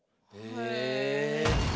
へえ！